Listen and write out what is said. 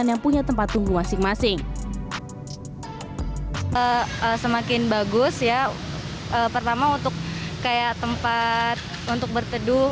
yang punya tempat tunggu masing masing semakin bagus ya pertama untuk kayak tempat untuk berteduh